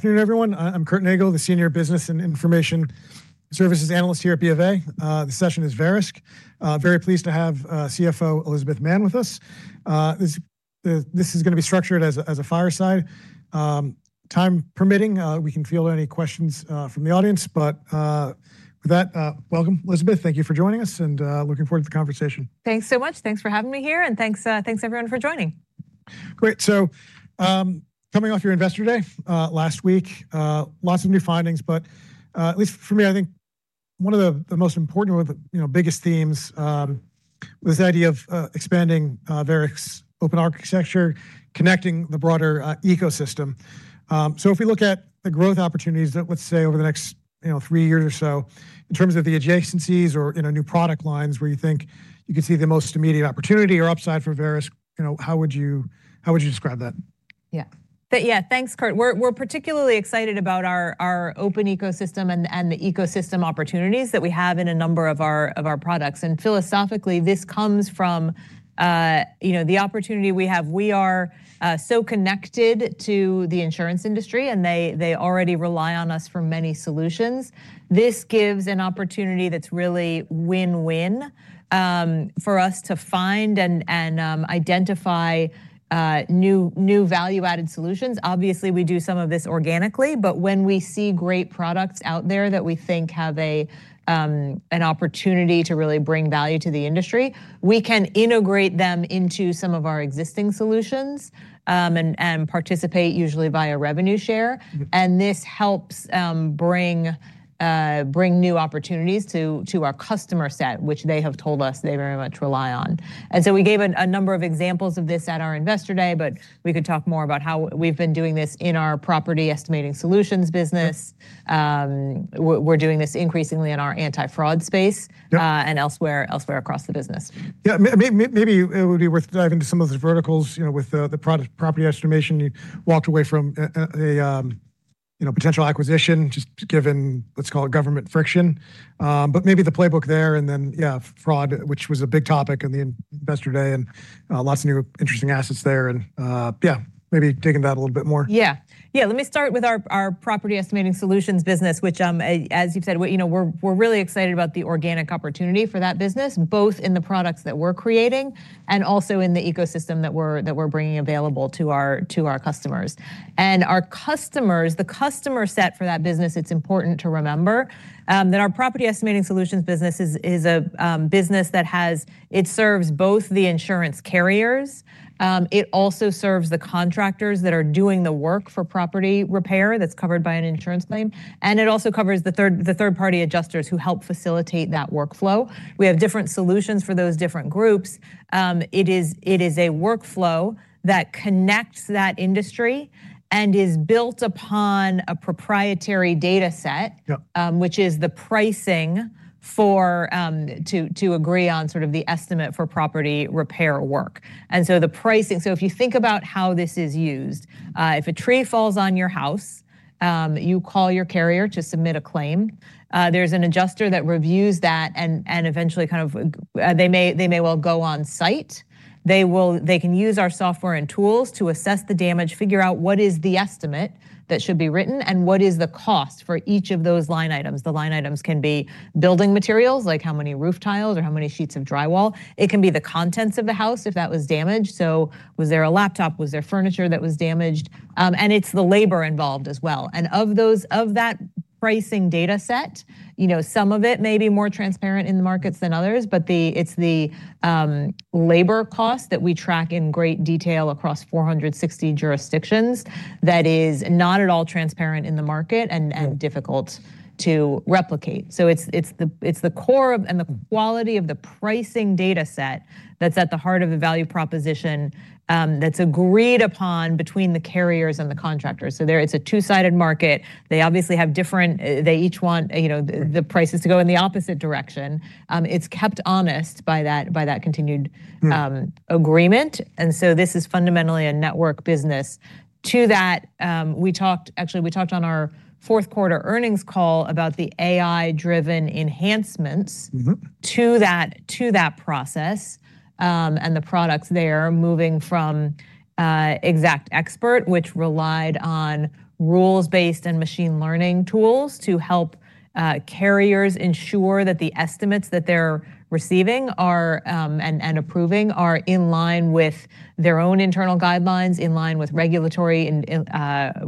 Good afternoon, everyone. I'm Curtis Nagle, the Senior Business and Information Services Analyst here at BofA. The session is Verisk. Very pleased to have CFO Elizabeth Mann with us. This is gonna be structured as a fireside. Time permitting, we can field any questions from the audience. With that, welcome, Elizabeth. Thank you for joining us and looking forward to the conversation. Thanks so much. Thanks for having me here and thanks everyone for joining. Great. Coming off your Investor Day last week, lots of new findings, but at least for me, I think one of the most important or, you know, the biggest themes was the idea of expanding Verisk's open architecture, connecting the broader ecosystem. If we look at the growth opportunities, let's say over the next, you know, three years or so, in terms of the adjacencies or, you know, new product lines where you think you could see the most immediate opportunity or upside for Verisk, you know, how would you describe that? Yeah. Thanks, Kurt. We're particularly excited about our open ecosystem and the ecosystem opportunities that we have in a number of our products. Philosophically, this comes from you know, the opportunity we have. We are so connected to the insurance industry, and they already rely on us for many solutions. This gives an opportunity that's really win-win for us to find and identify new value-added solutions. Obviously, we do some of this organically, but when we see great products out there that we think have an opportunity to really bring value to the industry, we can integrate them into some of our existing solutions and participate usually via revenue share. This helps bring new opportunities to our customer set, which they have told us they very much rely on. We gave a number of examples of this at our Investor Day, but we could talk more about how we've been doing this in our property estimating solutions business. Sure. We're doing this increasingly in our anti-fraud space. elsewhere across the business. Yeah. Maybe it would be worth diving into some of the verticals, you know, with the product property estimation. You walked away from a potential acquisition just given, let's call it government friction. Maybe the playbook there, and then, yeah, fraud, which was a big topic in the Investor Day, and yeah, maybe dig into that a little bit more. Yeah. Yeah. Let me start with our property estimating solutions business, which, as you've said, we, you know, we're really excited about the organic opportunity for that business, both in the products that we're creating and also in the ecosystem that we're bringing available to our customers. Our customers, the customer set for that business, it's important to remember that our property estimating solutions business is a business. It serves both the insurance carriers, it also serves the contractors that are doing the work for property repair that's covered by an insurance claim, and it also covers the third-party adjusters who help facilitate that workflow. We have different solutions for those different groups. It is a workflow that connects that industry and is built upon a proprietary data set. which is the pricing for to agree on sort of the estimate for property repair work. The pricing. If you think about how this is used, if a tree falls on your house, you call your carrier to submit a claim. There's an adjuster that reviews that and eventually kind of they may well go on site. They can use our software and tools to assess the damage, figure out what is the estimate that should be written, and what is the cost for each of those line items. The line items can be building materials, like how many roof tiles or how many sheets of drywall. It can be the contents of the house, if that was damaged. Was there a laptop? Was there furniture that was damaged? It's the labor involved as well. Of that pricing data set, you know, some of it may be more transparent in the markets than others, but it's the labor cost that we track in great detail across 460 jurisdictions that is not at all transparent in the market and difficult to replicate. It's the core of and the quality of the pricing data set that's at the heart of the value proposition that's agreed upon between the carriers and the contractors. There it's a two-sided market. They obviously have different, they each want, you know, the prices to go in the opposite direction. It's kept honest by that continued. agreement. This is fundamentally a network business. To that, actually, we talked on our fourth quarter earnings call about the AI-driven enhancements. to that process, and the products they're moving from XactXpert, which relied on rules-based and machine learning tools to help carriers ensure that the estimates that they're receiving and approving are in line with their own internal guidelines, in line with regulatory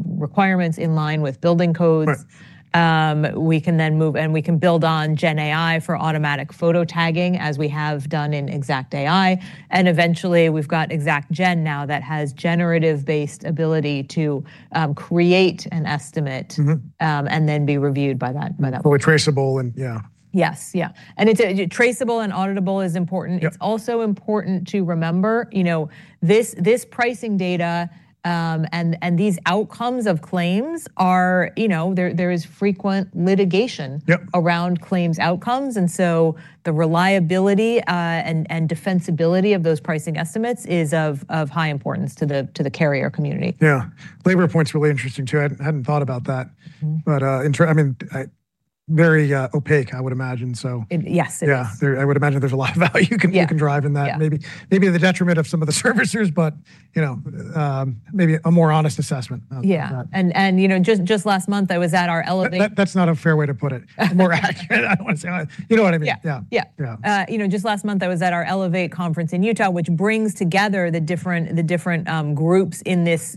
requirements, in line with building codes. We can move, and we can build on GenAI for automatic photo tagging, as we have done in XactAI. Eventually, we've got Xact Gen now that has generative-based ability to create an estimate. Be reviewed by that party. Traceable and, yeah. Yes. Yeah. Traceable and auditable is important. It's also important to remember, you know, this pricing data and these outcomes of claims are, you know, there is frequent litigation.... around claims outcomes. The reliability, and defensibility of those pricing estimates is of high importance to the carrier community. Yeah. Labor point's really interesting too. I hadn't thought about that. I mean, very opaque, I would imagine so. It, yes, it is. Yeah. There, I would imagine there's a lot of value you can. you can drive in that. Maybe to the detriment of some of the servicers but, you know, maybe a more honest assessment of that. You know, just last month I was at our Elevate. That, that's not a fair way to put it. More accurate, I don't wanna say honest. You know what I mean? Yeah. You know, just last month I was at our Elevate conference in Utah which brings together the different groups in this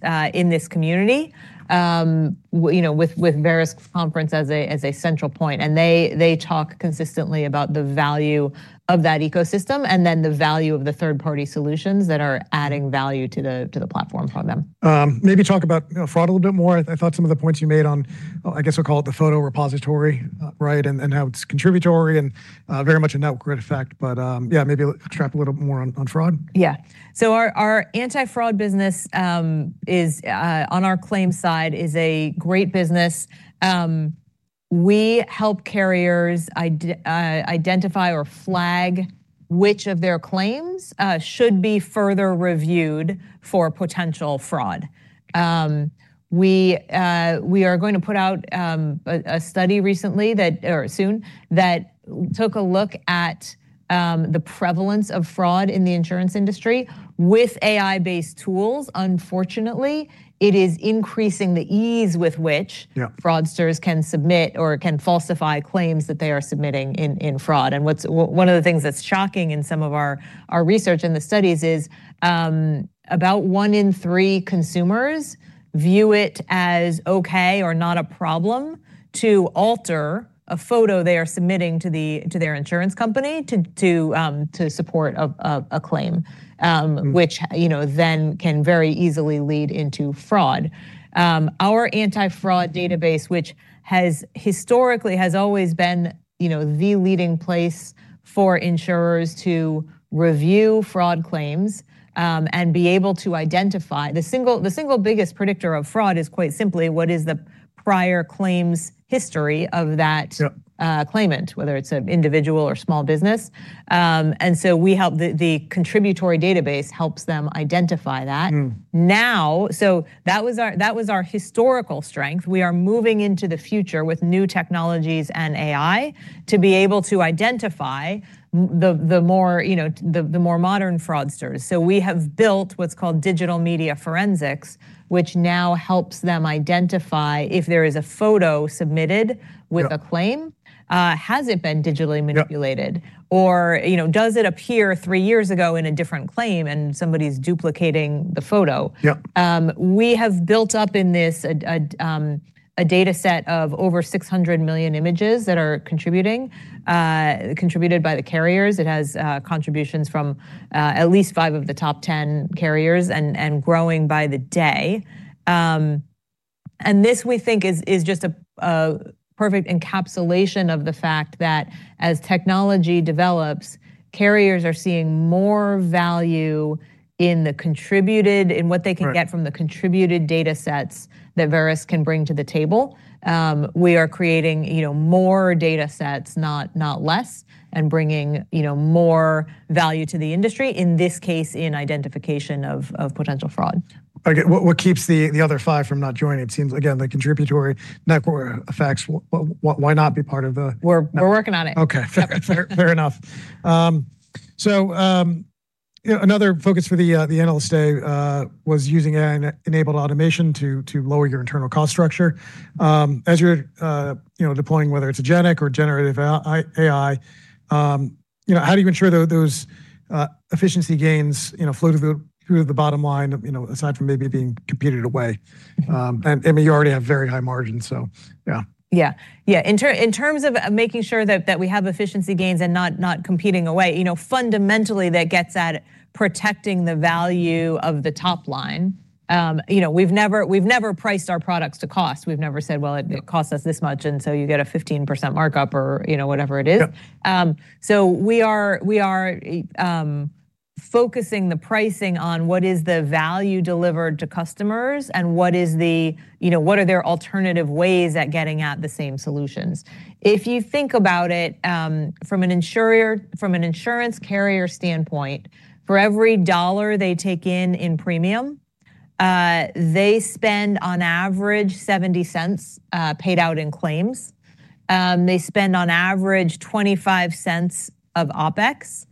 community. You know, with Verisk conference as a central point, and they talk consistently about the value of that ecosystem, and then the value of the third party solutions that are adding value to the platform from them. Maybe talk about, you know, fraud a little bit more. I thought some of the points you made on, oh, I guess we'll call it the photo repository, right, and how it's contributory and very much a network effect. Yeah, maybe elaborate a little more on fraud. Yeah. Our anti-fraud business on our claims side is a great business. We help carriers identify or flag which of their claims should be further reviewed for potential fraud. We are going to put out a study soon that took a look at the prevalence of fraud in the insurance industry with AI-based tools. Unfortunately, it is increasing the ease with which Fraudsters can submit or can falsify claims that they are submitting in fraud. One of the things that's shocking in some of our research in the studies is about one in three consumers view it as okay or not a problem to alter a photo they are submitting to their insurance company to support a claim. Which, you know, then can very easily lead into fraud. Our anti-fraud database which has historically always been, you know, the leading place for insurers to review fraud claims and be able to identify the single biggest predictor of fraud is quite simply what is the prior claims history of that. Claimant, whether it's an individual or small business. The contributory database helps them identify that. Now that was our historical strength. We are moving into the future with new technologies and AI to be able to identify the more, you know, the more modern fraudsters. We have built what's called Digital Media Forensics which now helps them identify if there is a photo submitted. with a claim, has it been digitally manipulated? you know, does it appear three years ago in a different claim and somebody's duplicating the photo? We have built up in this a data set of over 600 million images contributed by the carriers. It has contributions from at least five of the top 10 carriers and growing by the day. This we think is just a perfect encapsulation of the fact that as technology develops, carriers are seeing more value in the contributed, in what they can get from the contributed data sets that Verisk can bring to the table. We are creating, you know, more data sets not less, and bringing, you know, more value to the industry, in this case in identification of potential fraud. Okay. What keeps the other five from not joining? It seems again the contributory network effects why not be part of the- We're working on it. Okay. Fair enough. You know, another focus for the Investor Day was using AI-enabled automation to lower your internal cost structure. As you're you know, deploying whether it's GenAI or generative AI, you know, how do you ensure those efficiency gains you know, flow through to the bottom line, you know, aside from maybe being competed away? I mean, you already have very high margins, so yeah. Yeah. Yeah. In terms of making sure that we have efficiency gains and not competing away, you know, fundamentally that gets at protecting the value of the top line. You know, we've never priced our products to cost. We've never said, "Well, it costs us this much and so you get a 15% markup," or, you know, whatever it is. We are focusing the pricing on what is the value delivered to customers and what is, you know, what are their alternative ways at getting at the same solutions. If you think about it, from an insurance carrier standpoint, for every dollar they take in premium, they spend on average $0.70 paid out in claims. They spend on average $0.25 of OpEx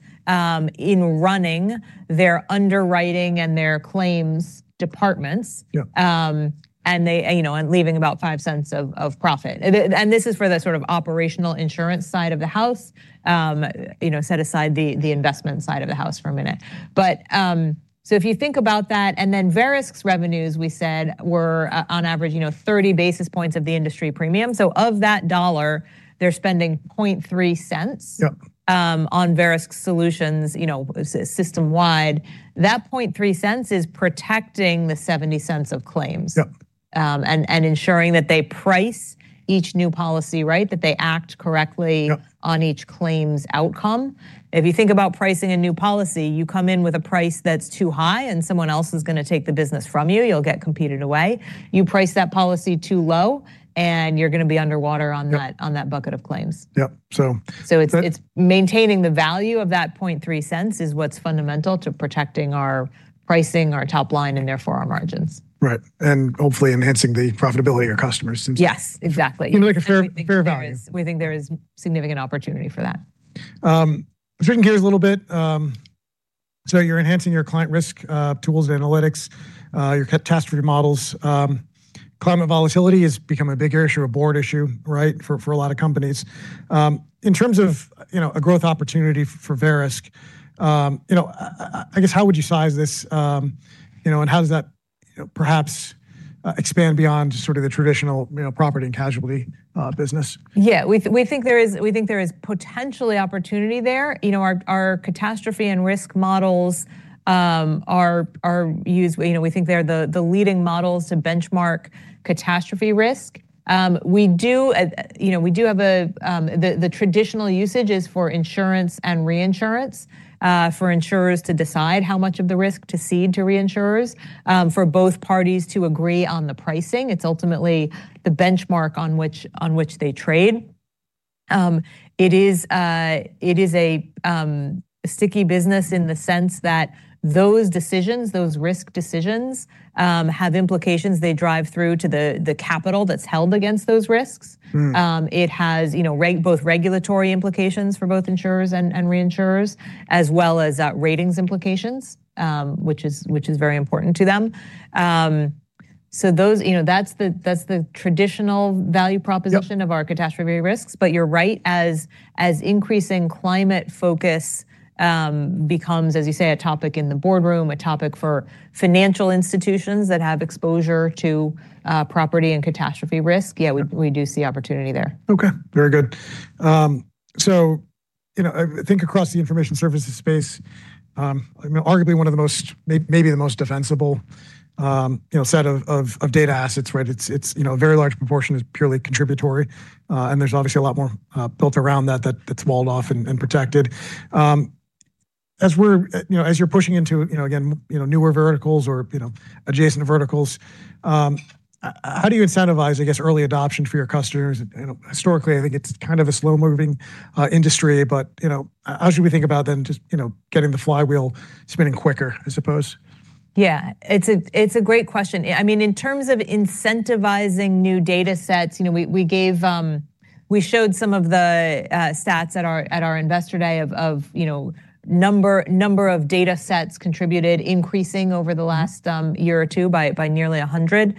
in running their underwriting and their claims departments. They, you know, leaving about $0.05 of profit. This is for the sort of operational insurance side of the house. You know, set aside the investment side of the house for a minute. If you think about that, and then Verisk's revenues we said were on average, you know, 30 basis points of the industry premium. Of that dollar they're spending $0.003 on Verisk solutions, you know, system-wide. That $0.03 is protecting the $0.70 of claims. ensuring that they price each new policy right, that they act correctly. On each claim's outcome. If you think about pricing a new policy, you come in with a price that's too high and someone else is gonna take the business from you. You'll get competed away. You price that policy too low, and you're gonna be underwater on that. on that bucket of claims. It's maintaining the value of that $0.003 is what's fundamental to protecting our pricing, our top line, and therefore our margins. Right. Hopefully enhancing the profitability of your customers since. Yes. Exactly. you know, like a fair value. We think there is significant opportunity for that. Switching gears a little bit, you're enhancing your client risk tools, analytics, your catastrophe models. Climate volatility has become a bigger issue, a board issue, right, for a lot of companies. In terms of, you know, a growth opportunity for Verisk, you know, I guess, how would you size this? You know, and how does that, you know, perhaps, expand beyond sort of the traditional, you know, property and casualty business? Yeah. We think there is potential opportunity there. You know, our catastrophe and risk models are used. You know, we think they're the leading models to benchmark catastrophe risk. The traditional usage is for insurance and reinsurance, for insurers to decide how much of the risk to cede to reinsurers, for both parties to agree on the pricing. It's ultimately the benchmark on which they trade. It is a sticky business in the sense that those decisions, those risk decisions, have implications. They drive through to the capital that's held against those risks. It has, you know, both regulatory implications for both insurers and reinsurers, as well as, ratings implications, which is very important to them. Those. You know, that's the traditional value proposition.... of our catastrophe risks. You're right, as increasing climate focus becomes, as you say, a topic in the boardroom, a topic for financial institutions that have exposure to property and catastrophe risk. Yeah, we do see opportunity there. Okay. Very good. I think across the information services space, you know, arguably one of the most, maybe the most defensible, you know, set of data assets, right? It's. You know, a very large proportion is purely contributory. There's obviously a lot more built around that's walled off and protected. As you're pushing into, you know, again, you know, newer verticals or, you know, adjacent verticals, how do you incentivize, I guess, early adoption for your customers? You know, historically, I think it's kind of a slow-moving industry, but, you know, how should we think about then just, you know, getting the flywheel spinning quicker, I suppose? Yeah. It's a great question. I mean, in terms of incentivizing new datasets, you know, we showed some of the stats at our Investor Day of you know number of datasets contributed increasing over the last year or two by nearly 100%.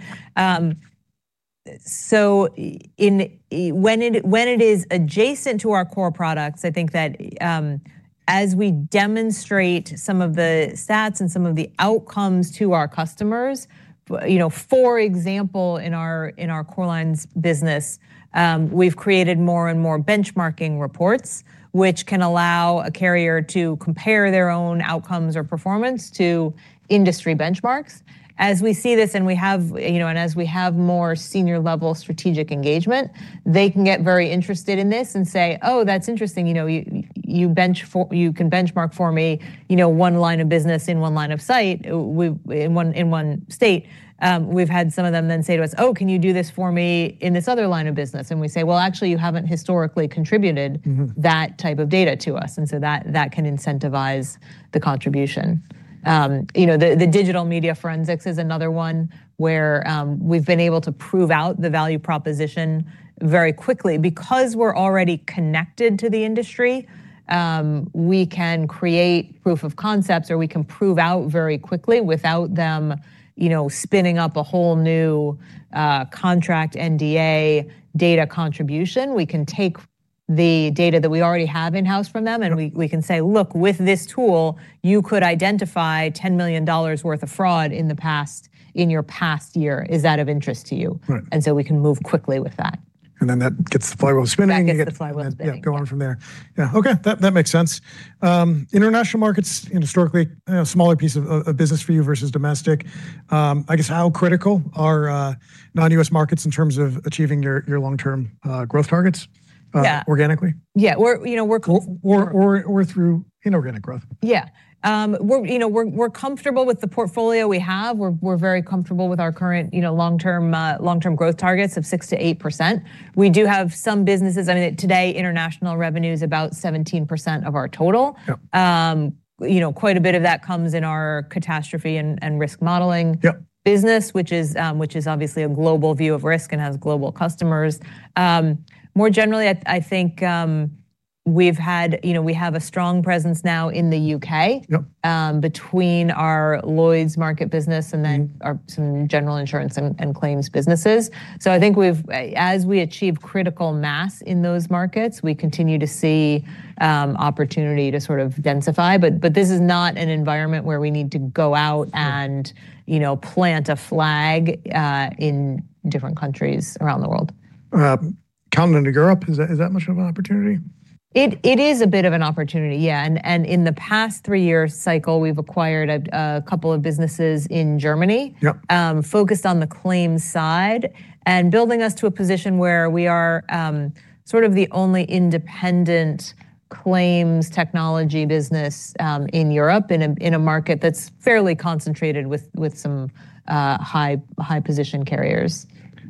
When it is adjacent to our core products, I think that as we demonstrate some of the stats and some of the outcomes to our customers, you know, for example, in our core lines business, we've created more and more benchmarking reports, which can allow a carrier to compare their own outcomes or performance to industry benchmarks. As we see this and we have. You know, as we have more senior-level strategic engagement, they can get very interested in this and say, "Oh, that's interesting. You know, you can benchmark for me, you know, one line of business in one line of sight, in one state." We've had some of them then say to us, "Oh, can you do this for me in this other line of business?" We say, "Well, actually, you haven't historically contributed-... that type of data to us." That can incentivize the contribution. The Digital Media Forensics is another one where we've been able to prove out the value proposition very quickly. Because we're already connected to the industry, we can create proof of concepts, or we can prove out very quickly without them spinning up a whole new contract NDA data contribution. We can take the data that we already have in-house from them. we can say, "Look, with this tool, you could identify $10 million worth of fraud in the past, in your past year. Is that of interest to you? We can move quickly with that. that gets the flywheel spinning. That gets the flywheel spinning. Yeah, go on from there. Yeah. Okay. That makes sense. International markets, you know, historically, you know, a smaller piece of business for you versus domestic. I guess, how critical are non-U.S. markets in terms of achieving your long-term growth targets- Organically? Yeah. You know, we're through inorganic growth. Yeah. We're comfortable with the portfolio we have. We're very comfortable with our current, you know, long-term growth targets of 6%-8%. We do have some businesses. I mean, today, international revenue is about 17% of our total. You know, quite a bit of that comes in our catastrophe and risk modeling. business, which is obviously a global view of risk and has global customers. More generally, I think, you know, we have a strong presence now in the U.K. between our Lloyd's market business and then Our some general insurance and claims businesses. I think as we achieve critical mass in those markets, we continue to see opportunity to sort of densify, but this is not an environment where we need to go out and. you know, plant a flag in different countries around the world. Continent of Europe, is that much of an opportunity? It is a bit of an opportunity, yeah, and in the past three-year cycle, we've acquired a couple of businesses in Germany. Focused on the claims side and building us to a position where we are sort of the only independent claims technology business in Europe in a market that's fairly concentrated with some high-position carriers.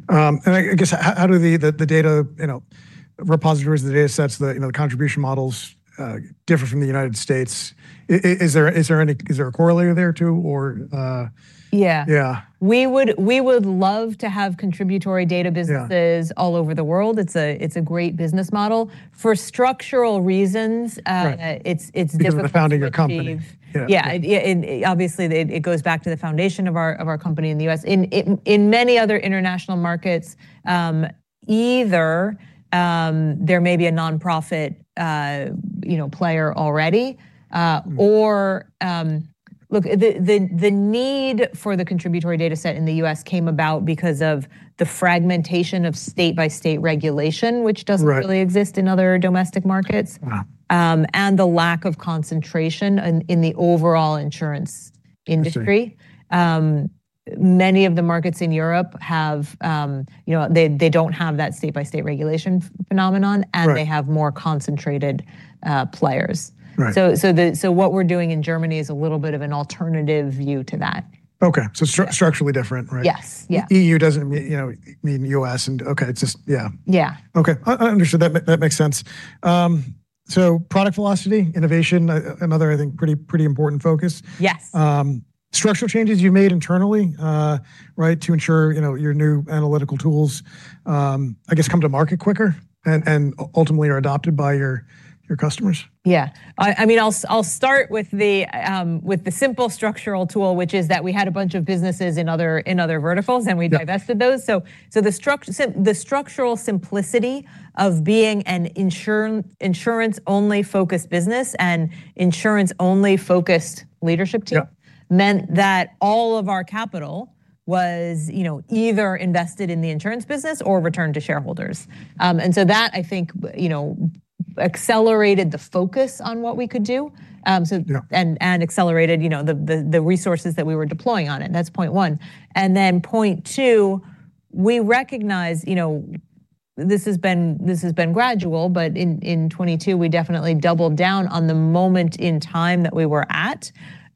I guess how do the data repositories, the data sets, you know, the contribution models differ from the United States? Is there a corollary there too? Yeah. We would love to have contributory data businesses. All over the world. It's a great business model. For structural reasons, It's difficult to achieve. Because of the founding of the company. Yeah. Yeah. Yeah, obviously it goes back to the foundation of our company in the U.S. In many other international markets, either there may be a nonprofit, you know, player already. Look, the need for the contributory data set in the US came about because of the fragmentation of state-by-state regulation, which doesn't- really exist in other domestic markets. The lack of concentration in the overall insurance industry. I see. Many of the markets in Europe have, you know, they don't have that state-by-state regulation phenomenon. They have more concentrated players. What we're doing in Germany is a little bit of an alternative view to that. Okay. Structurally different, right? Yes. Yeah. EU doesn't, you know, mean U.S. Okay, it's just yeah. Okay. I understood that. That makes sense. Product velocity, innovation, another, I think pretty important focus. Yes. Structural changes you made internally, right, to ensure, you know, your new analytical tools I guess come to market quicker and ultimately are adopted by your customers? Yeah. I mean, I'll start with the simple structural tool, which is that we had a bunch of businesses in other verticals. We divested those. The structural simplicity of being an insurance-only focused business and insurance-only focused leadership team. meant that all of our capital was, you know, either invested in the insurance business or returned to shareholders. That, I think, you know, accelerated the focus on what we could do. and accelerated, you know, the resources that we were deploying on it. That's point one. Point two, we recognize, you know, this has been gradual, but in 2022, we definitely doubled down on the moment in time that we were at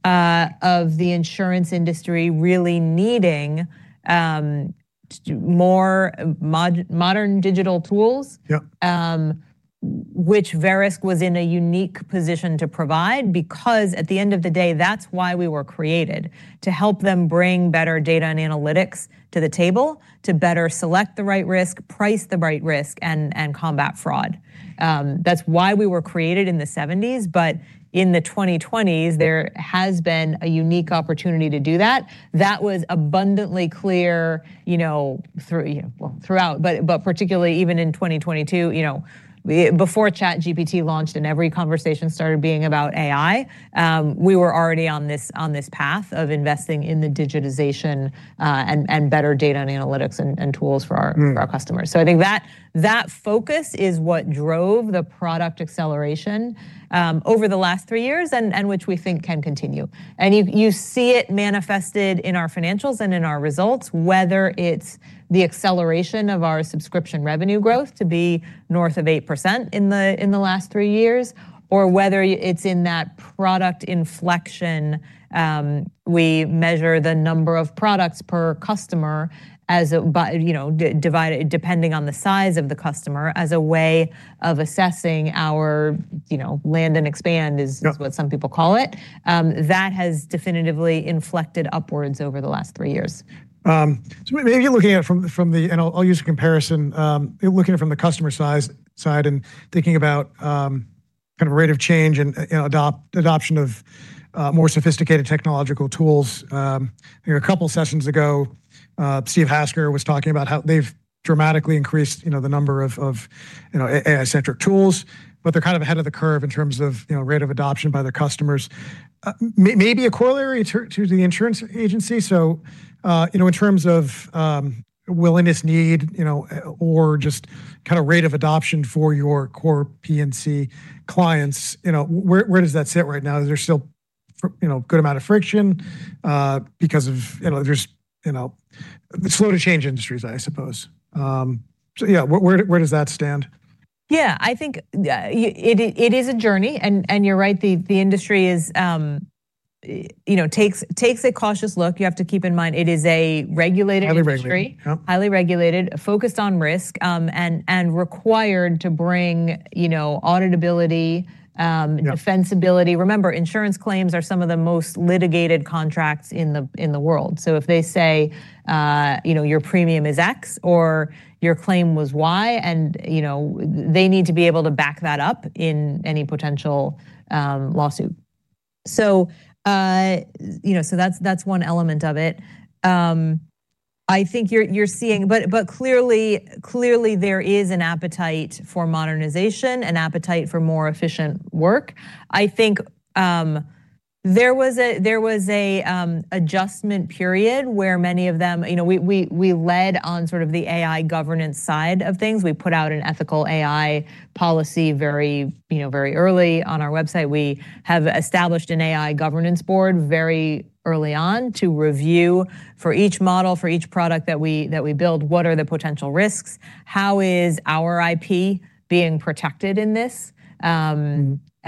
of the insurance industry really needing more modern digital tools. which Verisk was in a unique position to provide because at the end of the day, that's why we were created, to help them bring better data and analytics to the table to better select the right risk, price the right risk, and combat fraud. That's why we were created in the 1970s, but in the 2020s, there has been a unique opportunity to do that. That was abundantly clear, you know, throughout, but particularly even in 2022, you know. Before ChatGPT launched and every conversation started being about AI, we were already on this path of investing in the digitization, and better data and analytics and tools for our For our customers. I think that focus is what drove the product acceleration over the last three years and which we think can continue. You see it manifested in our financials and in our results, whether it's the acceleration of our subscription revenue growth to be north of 8% in the last three years, or whether it's in that product inflection. We measure the number of products per customer depending on the size of the customer as a way of assessing our, you know, land and expand. What some people call it. That has definitively inflected upwards over the last three years. Maybe looking at it from the And I'll use a comparison, looking at it from the customer side and thinking about kind of rate of change and you know adoption of more sophisticated technological tools. You know, a couple sessions ago, Steve Hasker was talking about how they've dramatically increased you know the number of you know AI centric tools, but they're kind of ahead of the curve in terms of you know rate of adoption by their customers. Maybe a corollary to the insurance agency. You know, in terms of willingness, need, you know or just kinda rate of adoption for your core P&C clients, you know, where does that sit right now? Is there still, you know, a good amount of friction because of, you know, there's, you know, slow to change industries, I suppose? Yeah, where does that stand? Yeah. I think, yeah, it is a journey, and you're right, the industry is, you know, takes a cautious look. You have to keep in mind it is a regulated industry. Highly regulated, yep. Highly regulated, focused on risk, and required to bring, you know, auditability. Defensibility. Remember, insurance claims are some of the most litigated contracts in the world. So if they say, you know, "Your premium is X," or, "Your claim was Y," and, you know, they need to be able to back that up in any potential lawsuit. So, you know, so that's one element of it. I think you're seeing. Clearly there is an appetite for modernization and appetite for more efficient work. I think there was an adjustment period where many of them. You know, we led on sort of the AI governance side of things. We put out an ethical AI policy very, you know, very early on our website. We have established an AI governance board very early on to review for each model, for each product that we build, what are the potential risks? How is our IP being protected in this? You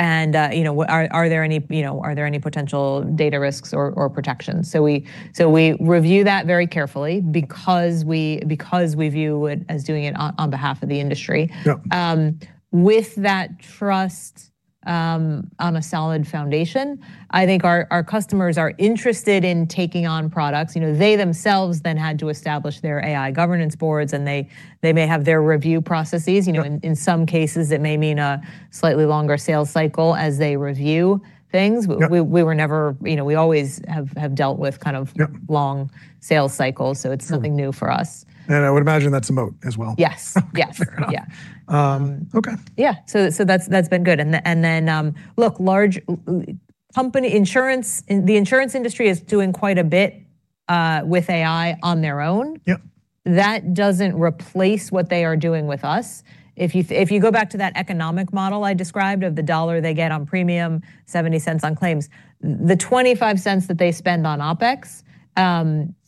know, are there any potential data risks or protections? We review that very carefully because we view it as doing it on behalf of the industry. With that trust on a solid foundation. I think our customers are interested in taking on products. You know, they themselves then had to establish their AI governance boards, and they may have their review processes. You know, in some cases, it may mean a slightly longer sales cycle as they review things. You know, we always have dealt with kind of. long sales cycles. nothing new for us. I would imagine that's a moat as well. Yes. Yes. Fair enough. Yeah. That's been good. Look, large companies in the insurance industry is doing quite a bit with AI on their own. That doesn't replace what they are doing with us. If you go back to that economic model I described of the $1 they get on premium, $0.70 on claims, the $0.25 that they spend on OpEx,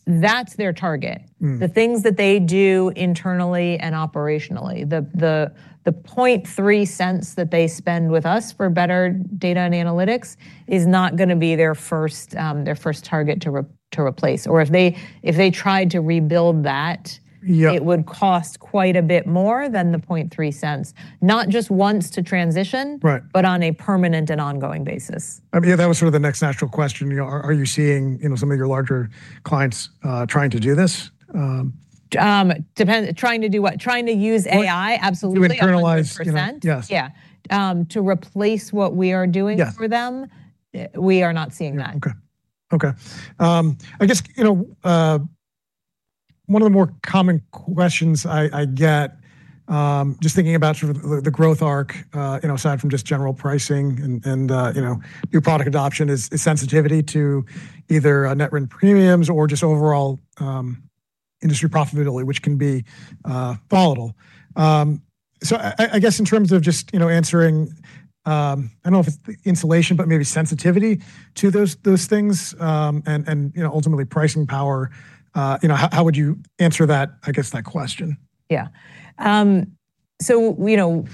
that's their target. The things that they do internally and operationally, the $0.003 that they spend with us for better data and analytics is not gonna be their first target to replace. If they tried to rebuild that. It would cost quite a bit more than $0.003, not just once to transition. on a permanent and ongoing basis. Yeah, that was sort of the next natural question. You know, are you seeing, you know, some of your larger clients trying to do this? Trying to do what? Trying to use AI? Absolutely. To internalize- 100%. You know? Yes. Yeah. To replace what we are doing. Yes For them, we are not seeing that. Okay. Okay. I guess, you know, one of the more common questions I get, just thinking about sort of the growth arc, you know, aside from just general pricing and new product adoption is sensitivity to either net written premiums or just overall industry profitability, which can be volatile. I guess in terms of just, you know, answering, I don't know if it's insulation, but maybe sensitivity to those things and you know, ultimately pricing power, you know, how would you answer that, I guess that question? Yeah. You know,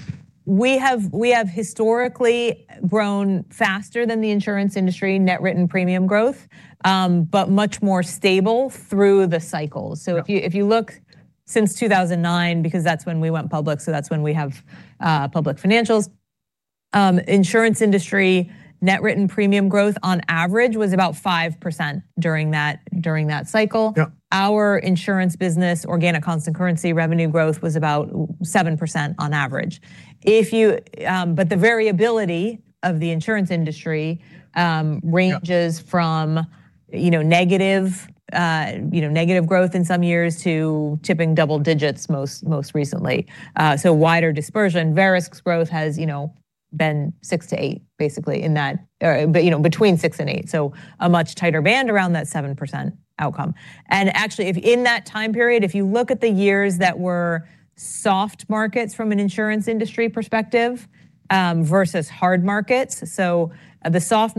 we have historically grown faster than the insurance industry net written premium growth, but much more stable through the cycles. If you look since 2009, because that's when we went public, so that's when we have public financials, insurance industry net written premium growth on average was about 5% during that cycle. Our insurance business organic constant currency revenue growth was about 7% on average, but the variability of the insurance industry. It ranges from, you know, negative growth in some years to hitting double digits most recently. Wider dispersion. Verisk's growth has, you know, been 6%-8% basically in that, or between 6% and 8%, so a much tighter band around that 7% outcome. Actually, if in that time period, if you look at the years that were soft markets from an insurance industry perspective, versus hard markets, during the soft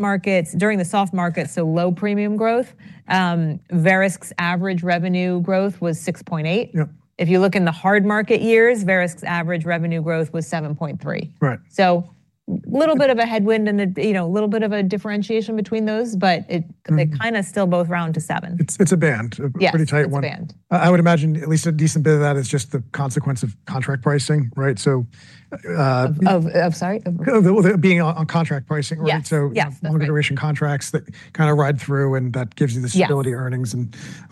markets, low premium growth, Verisk's average revenue growth was 6.8%. If you look in the hard market years, Verisk's average revenue growth was 7.3%. Little bit of a headwind and the, you know, little bit of a differentiation between those, but it- They kinda still both round to seven. It's a band. Yeah. A pretty tight one. It's a band. I would imagine at least a decent bit of that is just the consequence of contract pricing, right? Sorry. Well, being on contract pricing, right? Yeah. Yeah. Okay. Longer duration contracts that kinda ride through, and that gives you the.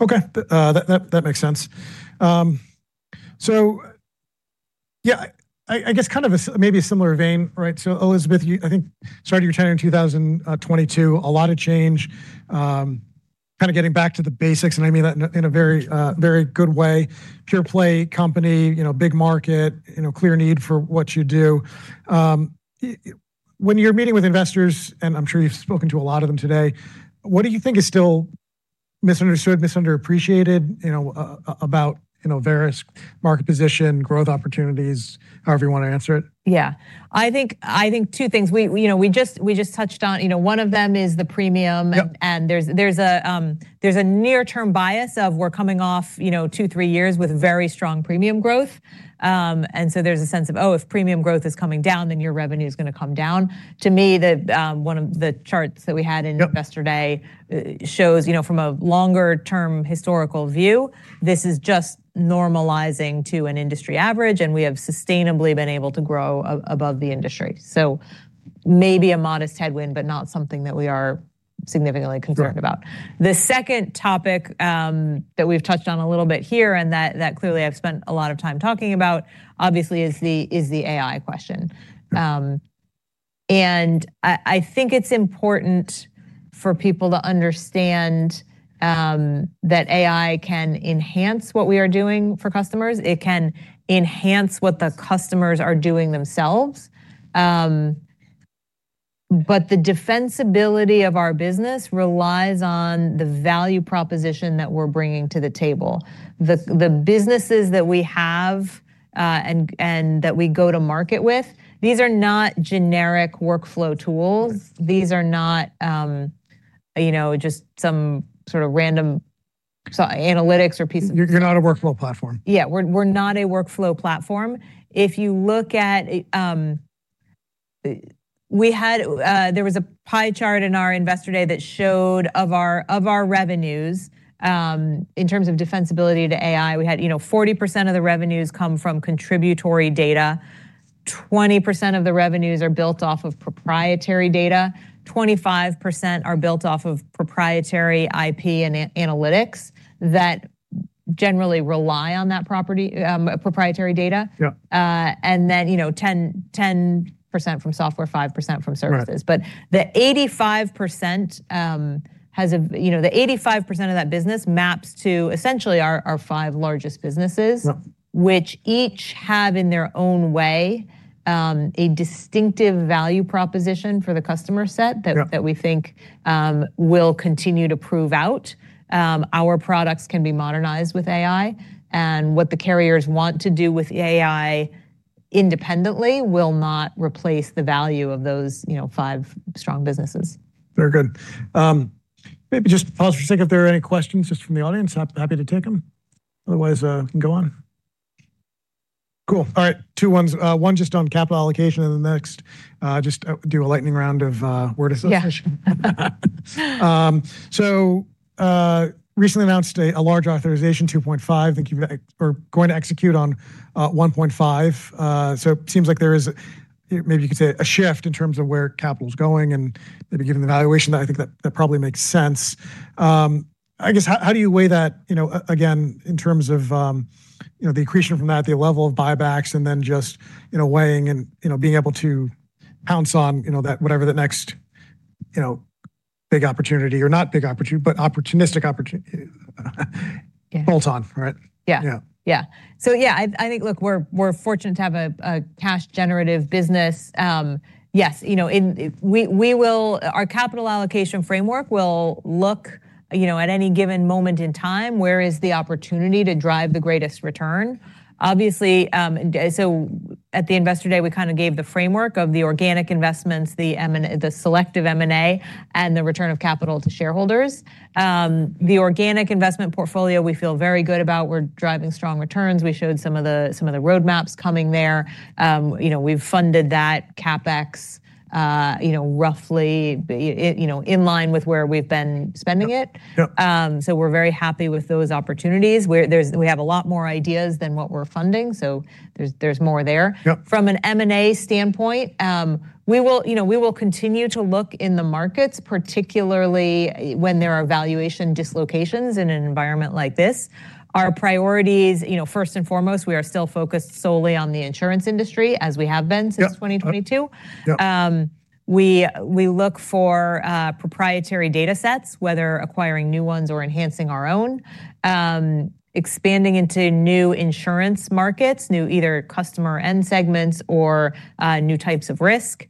Okay. That makes sense. Yeah, I guess in a similar vein, right? Elizabeth, you I think started your tenure in 2022, a lot of change, kinda getting back to the basics, and I mean that in a very good way. Pure play company, you know, big market, you know, clear need for what you do. When you're meeting with investors, and I'm sure you've spoken to a lot of them today, what do you think is still misunderstood, underappreciated, you know, about, you know, Verisk market position, growth opportunities, however you wanna answer it? Yeah. I think two things. We, you know, we just touched on, you know, one of them is the premium- There's a near-term bias of we're coming off, you know, 2, 3 years with very strong premium growth. There's a sense of, oh, if premium growth is coming down, then your revenue's gonna come down. To me, one of the charts that we had in Investor Day shows, you know, from a longer-term historical view, this is just normalizing to an industry average, and we have sustainably been able to grow above the industry. Maybe a modest headwind, but not something that we are significantly concerned about. The second topic that we've touched on a little bit here and that clearly I've spent a lot of time talking about obviously is the AI question. I think it's important for people to understand that AI can enhance what we are doing for customers. It can enhance what the customers are doing themselves. The defensibility of our business relies on the value proposition that we're bringing to the table. The businesses that we have, and that we go to market with, these are not generic workflow tools. These are not, you know, just some sort of random analytics or piece of. You're not a workflow platform. We're not a workflow platform. If you look at, there was a pie chart in our Investor Day that showed our revenues in terms of defensibility to AI. We had, you know, 40% of the revenues come from contributory data. 20% of the revenues are built off of proprietary data, 25% are built off of proprietary IP and analytics that generally rely on that proprietary data. You know, 10% from software, 5% from services. The 85%, you know, the 85% of that business maps to essentially our five largest businesses. which each have in their own way, a distinctive value proposition for the customer set.... that we think will continue to prove out our products can be modernized with AI, and what the carriers want to do with AI independently will not replace the value of those, you know, five strong businesses. Very good. Maybe just pause for a second if there are any questions just from the audience. Happy to take them. Otherwise, we can go on. Cool. All right. Two ones. One just on capital allocation and the next, just do a lightning round of word association. Recently announced a large authorization $2.5. I think you've or going to execute on $1.5. Seems like there is a maybe you could say a shift in terms of where capital's going and maybe given the valuation, but I think that probably makes sense. I guess how do you weigh that, you know, again, in terms of you know the accretion from that, the level of buybacks and then just you know weighing and you know being able to pounce on you know that whatever the next you know big opportunity or opportunistic opportunity. Bolt-on, right? Yeah, I think, look, we're fortunate to have a cash generative business. Yes, you know, our capital allocation framework will look, you know, at any given moment in time, where is the opportunity to drive the greatest return. Obviously, at the Investor Day, we kinda gave the framework of the organic investments, the M&A, the selective M&A and the return of capital to shareholders. The organic investment portfolio we feel very good about. We're driving strong returns. We showed some of the roadmaps coming there. You know, we've funded that CapEx, you know, roughly in line with where we've been spending it. We're very happy with those opportunities. We have a lot more ideas than what we're funding, so there's more there. From an M&A standpoint, we will, you know, continue to look in the markets, particularly when there are valuation dislocations in an environment like this. Our priorities, you know, first and foremost, we are still focused solely on the insurance industry as we have been since. 2022. We look for proprietary data sets, whether acquiring new ones or enhancing our own, expanding into new insurance markets, new customer segments or new types of risk.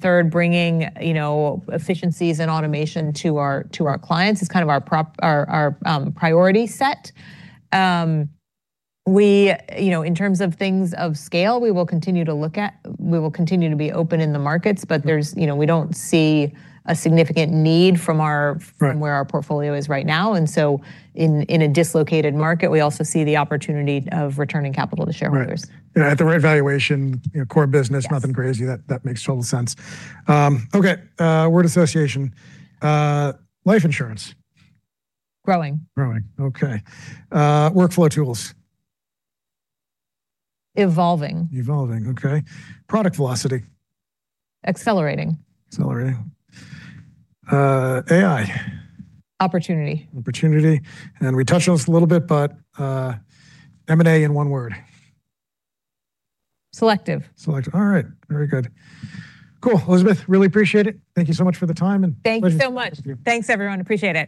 Third, bringing you know efficiencies and automation to our clients is kind of our priority set. You know, in terms of things of scale, we will continue to look at, we will continue to be open in the markets, but there's you know we don't see a significant need from our from where our portfolio is right now. In a dislocated market, we also see the opportunity of returning capital to shareholders. Right. Yeah, at the right valuation, you know, core business. Yes Nothing crazy. That makes total sense. Okay, word association. Life insurance. Growing. Growing. Okay. Workflow tools. Evolving. Evolving. Okay. Product velocity. Accelerating. Accelerating. AI. Opportunity. Opportunity. We touched on this a little bit, but, M&A in one word. Selective. Selective. All right. Very good. Cool. Elizabeth, really appreciate it. Thank you so much for the time and pleasure. Thank you so much. Thank you. Thanks everyone. Appreciate it.